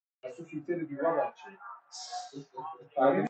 بندرگاه کشتیهای تفریحی